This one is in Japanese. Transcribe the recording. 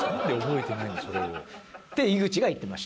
って井口が言ってました。